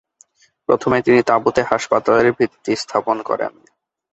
প্রথমে তিনি তাঁবুতে হাসপাতালের ভিত্তি স্থাপন করেন।